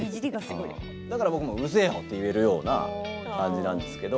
だから僕も、うるせえよって言えるような感じなんですけど。